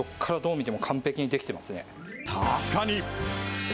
確かに。